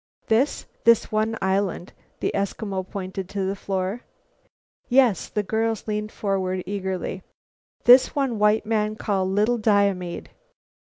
"This? This one island?" The Eskimo pointed to the floor. "Yes." The girls learned forward eagerly. "This one white man call 'Little Diomede.'"